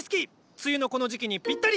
梅雨のこの時期にぴったり！